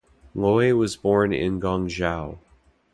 Lui was born in Guangzhou.